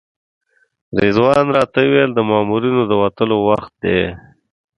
رضوان راته وویل د مامورینو د وتلو وخت دی.